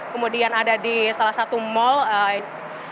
kemudian ada di salah satu mall